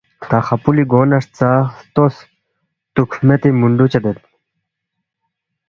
تا خاپولوی گو نہ ہرژا ہلتوس توکھ میدی منڈو چدید